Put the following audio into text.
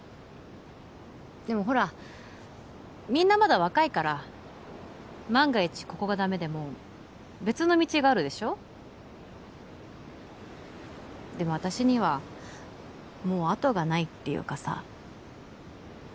でもほらみんなまだ若いから万が一ここがダメでも別の道があるでしょでも私にはもう後がないっていうかさ